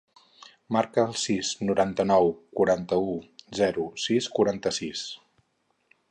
Marca el sis, noranta-nou, quaranta-u, zero, sis, quaranta-sis.